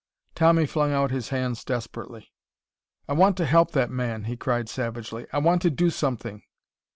Tommy flung out his hands desperately. "I want to help that man!" he cried savagely. "I want to do something!